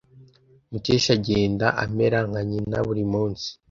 Mukesha agenda amera nka nyina burimunsi.